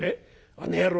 あの野郎